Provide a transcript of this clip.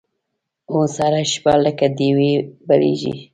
اوس هره شپه لکه ډیوې بلیږې